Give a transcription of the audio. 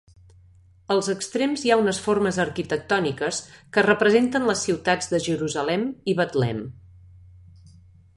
Als extrems hi ha unes formes arquitectòniques que representen les ciutats de Jerusalem i Betlem.